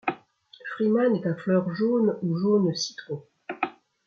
Freeman est à fleur jaune ou jaune citron.